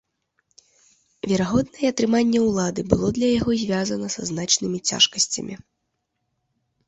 Верагодна, і атрыманне улады было для яго звязана са значнымі цяжкасцямі.